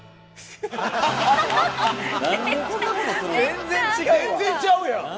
「全然ちゃうやん！